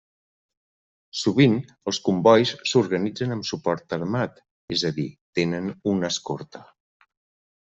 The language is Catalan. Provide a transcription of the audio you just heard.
Sovint, els combois s'organitzen amb suport armat, és a dir, tenen una escorta.